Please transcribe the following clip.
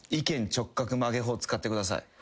直角曲げ法使ってください。